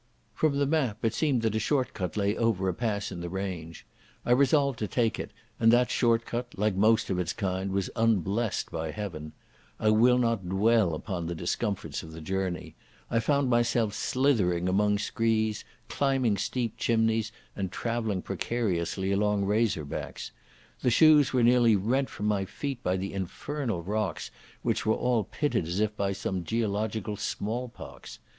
From the map it seemed that a short cut lay over a pass in the range. I resolved to take it, and that short cut, like most of its kind, was unblessed by Heaven. I will not dwell upon the discomforts of the journey. I found myself slithering among screes, climbing steep chimneys, and travelling precariously along razor backs. The shoes were nearly rent from my feet by the infernal rocks, which were all pitted as if by some geological small pox.